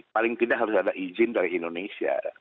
paling tidak harus ada izin dari indonesia